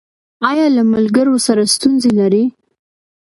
ایا له ملګرو سره ستونزې لرئ؟